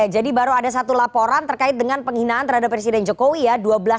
jadi baru ada satu laporan terkait dengan penghinaan terhadap presiden jokowi ya